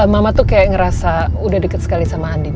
mama tuh kayak ngerasa udah dekat sekali sama andin